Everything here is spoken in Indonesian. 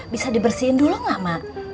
bisa dibersihin dulu nggak mak